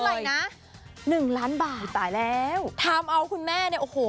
อะไรนะหนึ่งล้านบาทตายแล้วทำเอาคุณแม่เนี่ยโอ้โห